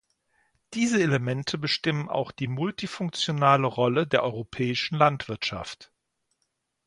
Diese Elemente bestimmen auch die multifunktionale Rolle der europäischen Landwirtschaft.